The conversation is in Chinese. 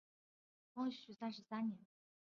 光绪三十三年。